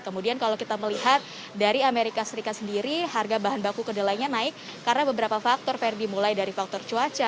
kemudian kalau kita melihat dari amerika serikat sendiri harga bahan baku kedelainya naik karena beberapa faktor verdi mulai dari faktor cuaca